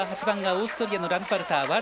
８番がオーストリアのラムパルター。